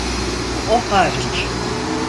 O hariç.